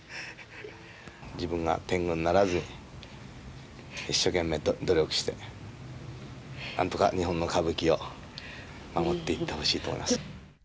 自分が天狗にならずに、一生懸命努力して、なんとか日本の歌舞伎を守っていってほしいと思います。